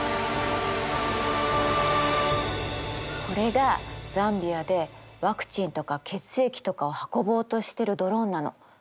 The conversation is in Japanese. これがザンビアでワクチンとか血液とかを運ぼうとしてるドローンなの。